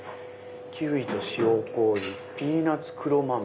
「キウイと塩麹」「ピーナッツ黒豆」。